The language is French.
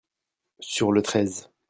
sur le treize.